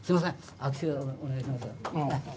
握手お願いします。